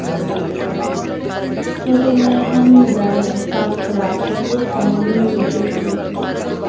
څغۍ مې هم در حساب کړه، چې ټول سامانونه مې جفت راځي.